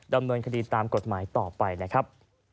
ดำเนินคดีตามกฎหมายต่อไปนะครับ